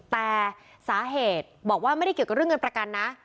แต่สาเหตุบอกว่าไม่ได้เกี่ยวกับเรื่องเงินประกันนะ